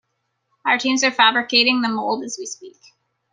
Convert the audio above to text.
Our teams are fabricating the mould as we speak.